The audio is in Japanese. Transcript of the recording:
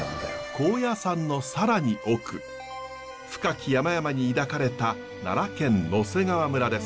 高野山の更に奥深き山々に抱かれた奈良県野迫川村です。